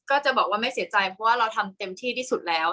ก็จะบอกว่าไม่เสียใจเพราะว่าเราทำเต็มที่ที่สุดแล้ว